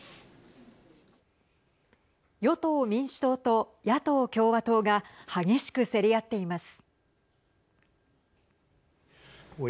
与党・民主党と野党・共和党が激しく競り合っています。